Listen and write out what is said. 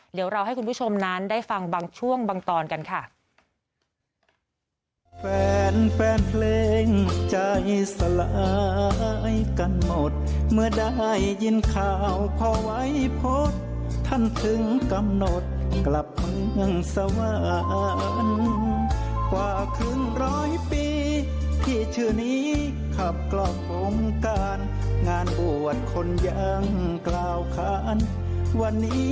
เดี๋ยวเราให้คุณผู้ชมนั้นได้ฟังบางช่วงบางตอนกันค่ะ